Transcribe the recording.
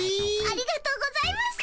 ありがとうございます。